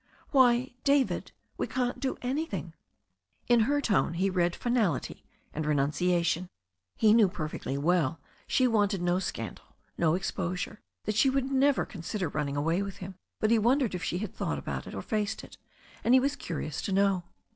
"Why, David, we can't do anything." In her tone he read finality and renunciation. He knew perfectly well she wanted no scandal, no exposure, that she would never consider running away with him, but he wondered if she had thought about it or faced it, and he was curious to know.